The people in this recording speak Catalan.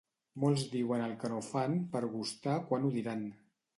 Molts diuen el que no fan per gustar quan ho diran.